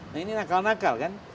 nah ini nakal nakal kan